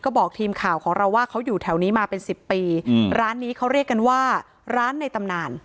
ก็บอกทีมข่าวของเราว่าเขาอยู่แถวนี้มาเป็นสิบปีอืมร้านนี้เขาเรียกกันว่าร้านในตำนาน